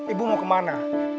ibu mau kemana